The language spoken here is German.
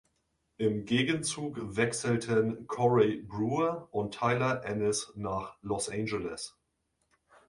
Im Gegenzug wechselten Corey Brewer und Tyler Ennis nach Los Angeles.